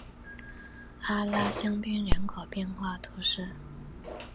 阿拉香槟人口变化图示